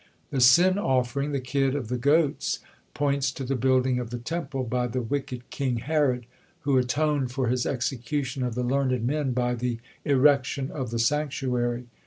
The sin offering, the kid of the goats, points to the building of the Temple by the wicked king Herod, who atoned for his execution of the learned men by the erection of the santuary.